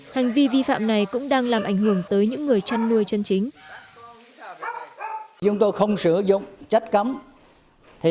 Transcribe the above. hành vi vi phạm này cũng đang làm ảnh hưởng tới những người chăn nuôi chân chính